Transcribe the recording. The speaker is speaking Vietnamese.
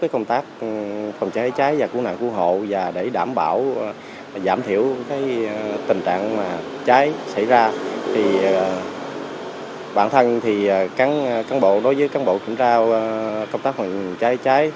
công tác phòng cháy cháy